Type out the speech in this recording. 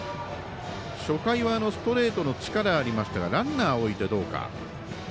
初回はストレートの力がありましたがランナーを置いてどうか。